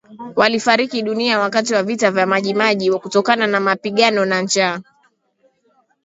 walifariki dunia wakati wa vita vya Maji Maji kutokana na mapigano na njaa